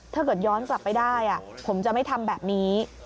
ถ้าเกิดย้อนกลับไปได้ผมจะไม่ทำแบบนี้